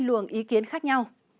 hai luồng ý kiến khác nhau